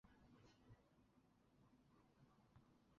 布什主张要大幅减税以解决剩余的预算。